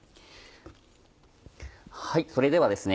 それではですね